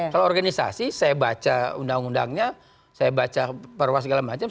kalau organisasi saya baca undang undangnya saya baca perwa segala macam